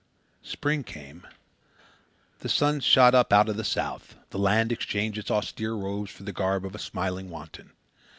Spring came. The sun shot up out of the south. The land exchanged its austere robes for the garb of a smiling wanton.